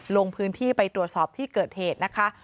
ลงพื้นที่ไปตรวจสอบที่เกิดเหตุนะคะ